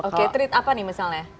oke treat apa nih misalnya